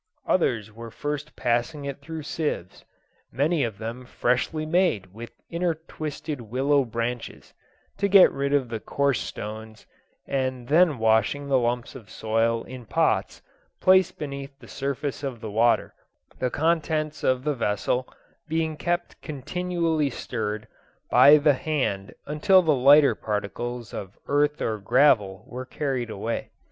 Others were first passing it through sieves, many of them freshly made with intertwisted willow branches, to get rid of the coarse stones, and then washing the lumps of soil in pots placed beneath the surface of the water, the contents of the vessel being kept continually stirred by the hand until the lighter particles of earth or gravel were carried away.